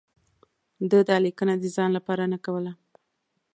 ده دا لیکنه د ځان لپاره نه کوله.